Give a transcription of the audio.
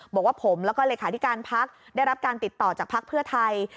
บอกว่าผมแล้วก็เลขาธิการพักได้รับการติดต่อจากภักดิ์เพื่อไทย